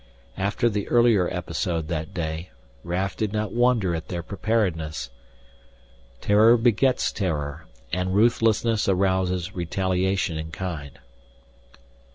After the earlier episode that day, Raf did not wonder at their preparedness. Terror begets terror, and ruthlessness arouses retaliation in kind.